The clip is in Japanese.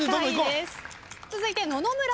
続いて野々村さん。